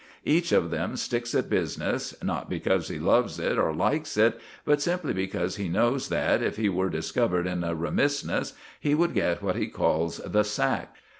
Each of them sticks at business, not because he loves it or likes it, but simply because he knows that, if he were discovered in a remissness, he would get what he calls "the sack."